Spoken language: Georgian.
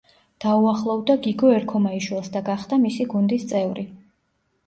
დაუახლოვდა გიგო ერქომაიშვილს და გახდა მისი გუნდის წევრი.